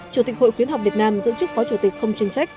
chủ tịch hội khuyến học việt nam dự trức phó chủ tịch không chuyên trách